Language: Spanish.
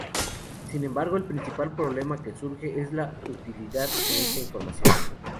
Sin embargo, el principal problema que surge es la utilidad de esta información.